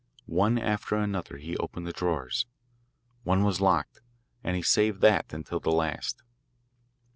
One after another he opened the drawers. One was locked, and he saved that until the last.